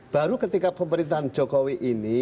baru ketika pemerintahan jokowi ini